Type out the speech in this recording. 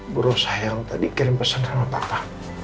buruh sayang tadi kirim pesan sama papa